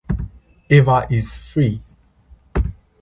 Ava is free.